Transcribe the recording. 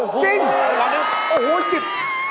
จริงอ๋อหลบหนึ่งโอ้โฮจิบ